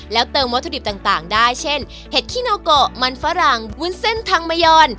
แล้วเติมวัตถุดิบต่างได้เช่นเห็ดขี้โนโกะมันฝรั่งวุ้นเส้นทางมะยอน